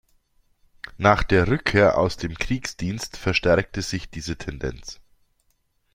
Nach der Rückkehr aus dem Kriegsdienst verstärkte sich diese Tendenz.